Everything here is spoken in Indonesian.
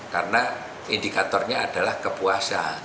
karena indikatornya adalah kepuasaan